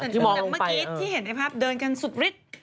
แต่เมื่อกี้ที่เห็นในภาพเดินกันสุดฤทธิ์